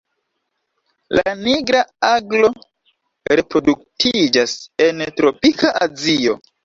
La Nigra aglo reproduktiĝas en tropika Azio.